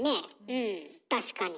うん確かに。